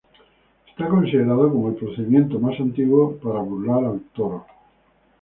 Está considerado como el procedimiento más antiguo para burlar al toro.